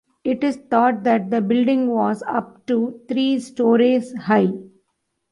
It is thought that the building was up to three storeys high.